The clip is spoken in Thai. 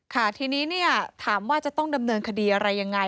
ค่ะทีนี้เนี่ยถามว่าจะต้องดำเนินคดีอะไรยังไง